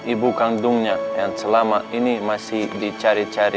ibu kandungnya yang selama ini masih dicari cari